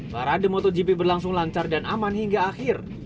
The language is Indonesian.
para de motogp berlangsung lancar dan aman hingga akhir